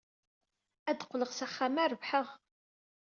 Ad d-qqleɣ s axxam-a rebḥeɣ!